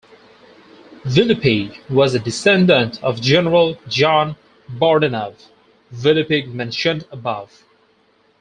Villepigue was a descendant of General John Bordenave Villepigue mentioned above.